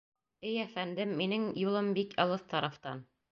— Эй әфәндем, минең юлым бик алыҫ тарафтан.